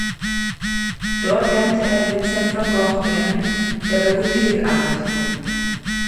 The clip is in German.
Dort lernte er Vincent van Gogh kennen, der bei Goupil arbeitete.